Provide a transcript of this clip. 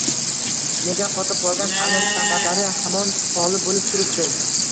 Nega qotib qolgan ta’lim standartlari hamon g‘olib bo‘lib turibdi?